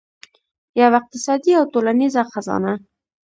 یوه اقتصادي او ټولنیزه خزانه.